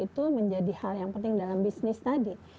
itu menjadi hal yang penting dalam bisnis tadi